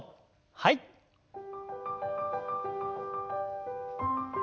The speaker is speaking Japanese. はい。